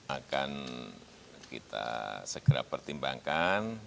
akan kita segera pertimbangkan